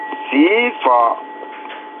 Sî fa’ !